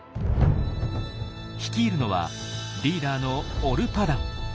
率いるのはリーダーのオルパダン。